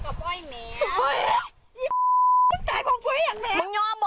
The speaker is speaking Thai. เฮ้ยตัวจังหวะ